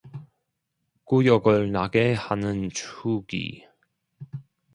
구역을 나게 하는 추기